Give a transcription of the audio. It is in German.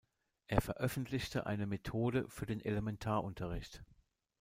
Er veröffentlichte eine Methode für den Elementarunterricht.